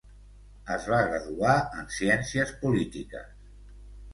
Es va graduar en ciències polítiques.